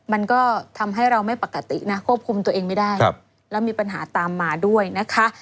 มันก็ทำให้เราไม่ปกตินะควบคุมตัวเองไม่ได้แล้วมีปัญหาตามมาด้วยนะคะ